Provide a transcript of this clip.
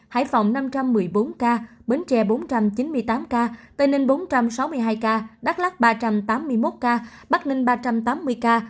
hải phòng năm trăm một mươi bốn ca bến tre bốn trăm chín mươi tám ca tây ninh bốn trăm sáu mươi hai ca đắk lắc ba trăm tám mươi một ca bắc ninh ba trăm tám mươi ca